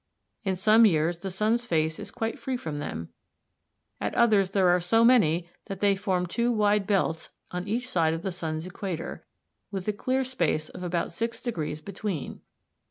In some years the sun's face is quite free from them, at others there are so many that they form two wide belts on each side of the sun's equator, with a clear space of about six degrees between.